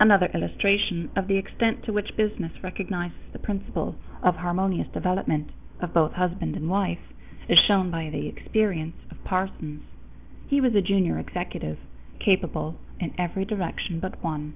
Another illustration of the extent to which business recognizes the principle of harmonious development of both husband and wife is shown by the experience of Parsons. He was a junior executive, capable in every direction but one.